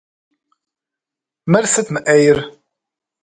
Мыр сыт мы Ӏейр?